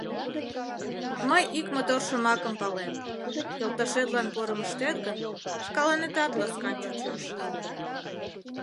Мый ик мотор шомакым палем: йолташетлан порым ыштет гын, шкаланетат ласкан чучеш...